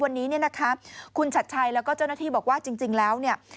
วันนี้คุณจัดชัยแล้วก็เจ้าหน้าที่บอกว่าจริงแล้ว